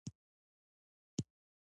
د زیرې بوټی غرنی دی